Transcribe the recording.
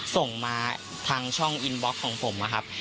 ส่งมาทางช่องอินบล็อกของผมนะครับ